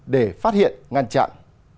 để phát hiện ngăn chặn